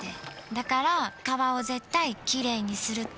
だから川を絶対きれいにするって。